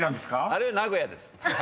あれは名古屋です。